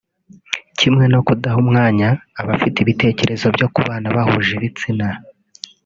kimwe no kudaha umwanya abafite ibitekerezo byo kubana bahuje ibitsina